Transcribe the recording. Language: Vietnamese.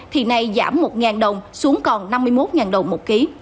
thì nay giảm một đồng xuống còn năm mươi một đồng một ký